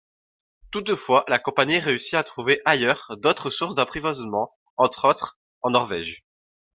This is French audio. Toutefois la compagnie réussit à trouver ailleurs d'autres sources d'approvisionnement, entre autres en Norvège.